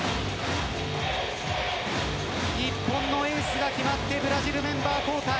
日本のエースが決まってブラジル、メンバー交代。